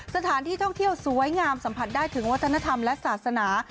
สถานที่ท่องเที่ยวสวยงามสัมผัสได้ถึงวัฒนธรรมและศาสนา